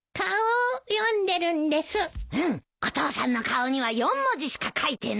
お父さんの顔には４文字しか書いてない。